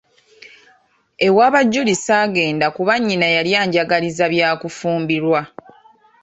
Ewa ba Julie ssaagenda kuba nnyina yali anjagaliza bya kufumbirwa.